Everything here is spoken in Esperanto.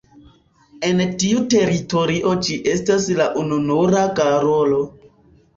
En tiu teritorio ĝi estas la ununura garolo.